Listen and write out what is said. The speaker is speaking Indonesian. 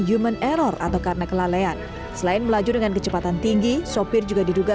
human error atau karena kelalaian selain melaju dengan kecepatan tinggi sopir juga diduga